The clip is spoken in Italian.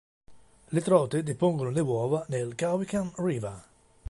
Le trote depongono le uova nel Cowichan River.